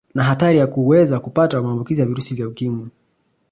Na hatari ya kuweza kupata maambukizo ya virusi vya Ukimwi